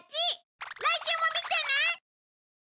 来週も見てね！